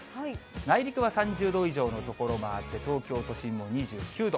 内陸は３０度以上の所もあって、東京都心も２９度。